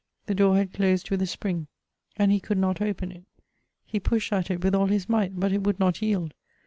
The door had closed with a spring, and he could not open it. He pushed at it with all his might, but it would not yield.